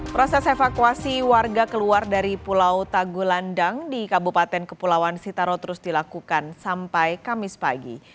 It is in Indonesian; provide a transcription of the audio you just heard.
proses evakuasi warga keluar dari pulau tagulandang di kabupaten kepulauan sitaro terus dilakukan sampai kamis pagi